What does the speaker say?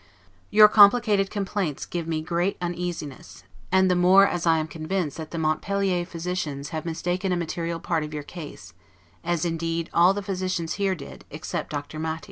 Your complicated complaints give me great uneasiness, and the more, as I am convinced that the Montpellier physicians have mistaken a material part of your case; as indeed all the physicians here did, except Dr. Maty.